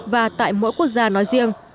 và tại mỗi quốc gia nói riêng